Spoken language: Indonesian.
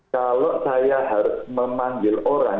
kalau saya harus memanggil orang